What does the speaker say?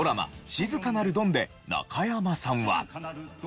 『静かなるドン』で中山さんは。